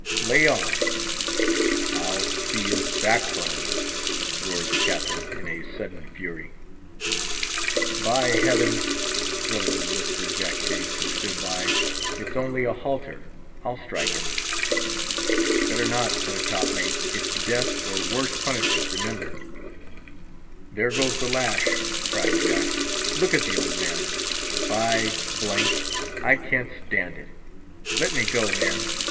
"Lay on! I'll see his backbone!" roared the Captain in a sudden fury. "By Heaven!" thrillingly whispered Jack Chase, who stood by, "it's only a halter; I'll strike him!" "Better not," said a top mate; "it's death, or worse punishment, remember." "There goes the lash!" cried Jack. "Look at the old man! By G— d, I can't stand it! Let me go, men!"